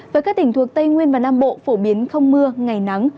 với các tỉnh thuộc tây nguyên và nam bộ phổ biến không mưa ngày nắng